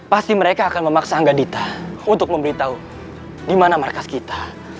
pasti mereka akan memaksa angga dita untuk memberitahu di mana markas kita